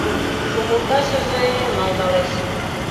«Шогылташыже-е» малдалеш.